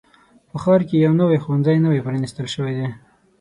په ښار کې یو نوي ښوونځی نوی پرانیستل شوی دی.